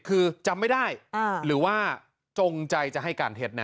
คือจำไม่ได้หรือว่าจงใจจะให้การเท็จนะ